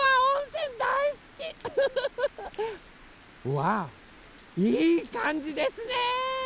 わあいいかんじですね。